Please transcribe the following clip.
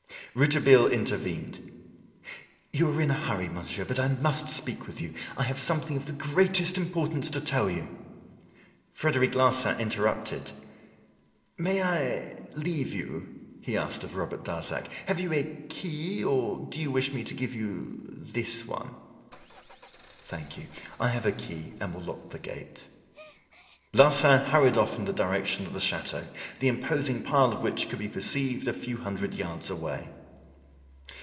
Rouletabille intervened: "You are in a hurry, Monsieur; but I must speak with you. I have something of the greatest importance to tell you." Frederic Larsan interrupted: "May I leave you?" he asked of Robert Darzac. "Have you a key, or do you wish me to give you this one." "Thank you. I have a key and will lock the gate." Larsan hurried off in the direction of the chateau, the imposing pile of which could be perceived a few hundred yards away.